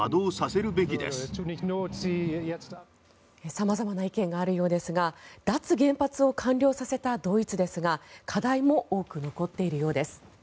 様々な意見があるようですが脱原発を完了させたドイツですが課題も多く残っているようです。